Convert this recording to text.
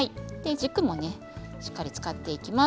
軸もしっかり使っていきます。